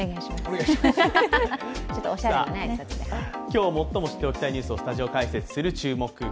今日最も知って起きたいニュースをスタジオ解説します。